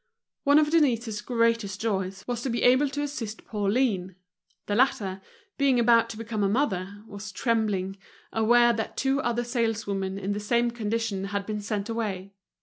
One of Denise's greatest joys was to be able to assist Pauline. The latter, being about to become a mother, was trembling, aware that two other saleswomen in the same condition had been sent away.